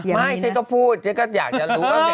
ไม่ฉันต้องพูดฉันก็อยากจะรู้